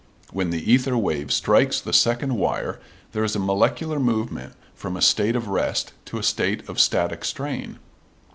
When the ether wave strikes the second wire there is a molecular movement from a state of rest to a state of static strain.